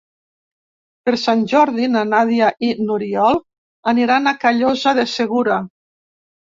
Per Sant Jordi na Nàdia i n'Oriol aniran a Callosa de Segura.